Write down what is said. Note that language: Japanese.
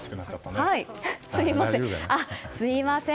すみません。